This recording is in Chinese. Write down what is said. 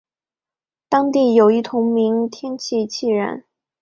当地有一同名天然气田。